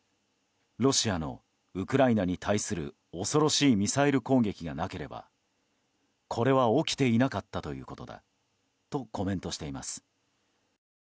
ロシアのウクライナに対する恐ろしいミサイル攻撃がなければこれは起きていなかったということだとコメントしています。